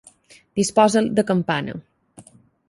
Disposa de campana.